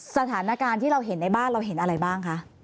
สถานการณ์ที่เราเห็นในบ้านเราเห็นอะไรบ้างคะ